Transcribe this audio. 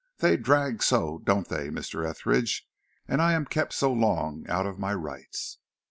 They drag so, don't they, Mr. Etheridge, and I am kept so long out of my rights."